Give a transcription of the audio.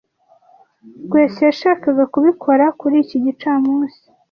Rwesa yashakaga kubikora kuri iki gicamunsi,